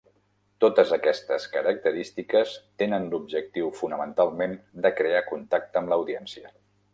Totes aquestes característiques tenen l'objectiu fonamentalment de crear contacte amb l'audiència.